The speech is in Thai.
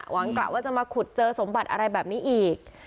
กะว่าจะมาขุดเจอสมบัติอะไรแบบนี้อีก